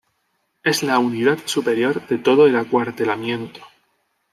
Es la unidad superior de todo el acuartelamiento.